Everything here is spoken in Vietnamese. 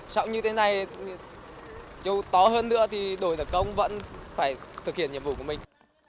sóng như thế này châu to hơn nữa thì đổi thật công vẫn phải thực hiện nhiệm vụ của mình